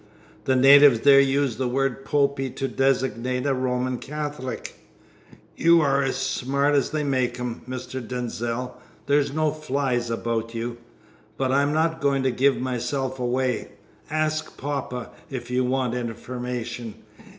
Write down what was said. "The natives there use the word Popey to designate a Roman Catholic." "You are as smart as they make 'em, Mr. Denzil. There's no flies about you; but I'm not going to give myself away. Ask poppa, if you want information.